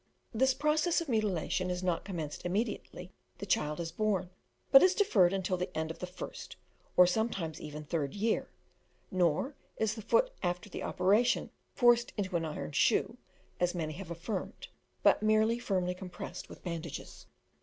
This process of mutilation is not commenced immediately the child is born, but is deferred until the end of the first, or sometimes even third year, nor is the foot after the operation forced into an iron shoe, as many have affirmed, but merely firmly compressed with bandages.